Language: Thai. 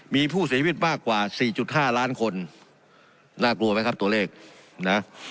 มีผู้เสียชีวิตมากกว่าสี่จุดห้าล้านคนน่ากลัวไหมครับตัวเลขนะ